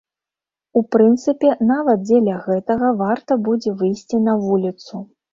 У прынцыпе, нават дзеля гэтага варта будзе выйсці на вуліцу.